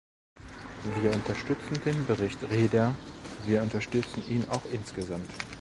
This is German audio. Wir unterstützen den Bericht Rehder, wir unterstützen ihn auch insgesamt.